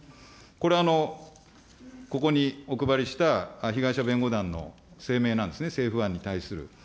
これ、ここにお配りした被害者弁護団の声明なんですね、政府案に対する。